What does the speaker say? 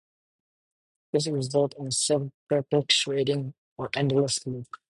This resulted in a self-perpetuating, or "endless," loop.